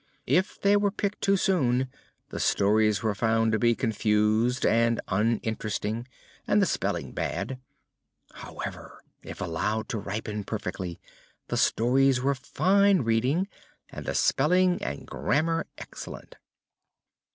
If they were picked too soon, the stories were found to be confused and uninteresting and the spelling bad. However, if allowed to ripen perfectly, the stories were fine reading and the spelling and grammar excellent.